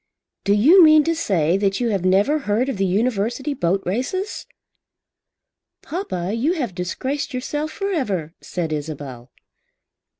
"Do you mean to say that you have never heard of the University boat races?" "Papa, you have disgraced yourself for ever," said Isabel.